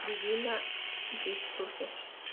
Divina Liturgia